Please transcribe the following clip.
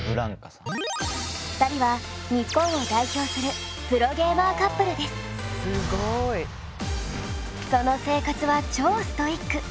２人は日本を代表するその生活は超ストイック。